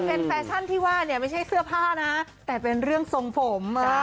เป็นแฟชั่นที่ว่าเนี่ยไม่ใช่เสื้อผ้านะแต่เป็นเรื่องทรงผม